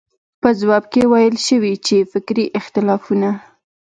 په ځواب کې ویل شوي چې فکري اختلافونه وو.